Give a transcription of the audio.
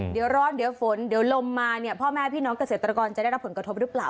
เดี๋ยวร้อนเดี๋ยวฝนเดี๋ยวลมมาเนี่ยพ่อแม่พี่น้องเกษตรกรจะได้รับผลกระทบหรือเปล่า